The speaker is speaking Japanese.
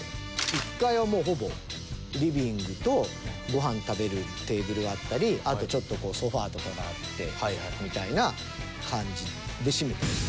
１階はもうほぼリビングとごはん食べるテーブルがあったりあとちょっとこうソファとかがあってみたいな感じで占めてます。